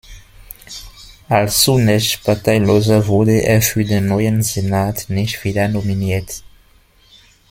Als zunächst Parteiloser wurde er für den neuen Senat nicht wieder nominiert.